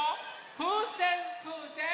ふうせんふうせん。